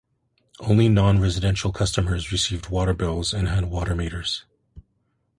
Only non-residential customers received water bills and had water meters.